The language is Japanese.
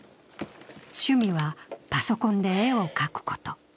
趣味はパソコンで絵を描くこと。